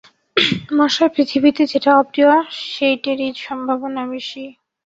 মশায়, পৃথিবীতে যেটা অপ্রিয় সেইটেরই সম্ভাবনা বেশি।